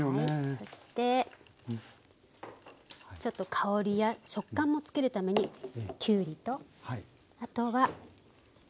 そしてちょっと香りや食感もつけるためにきゅうりとあとはトマトですね。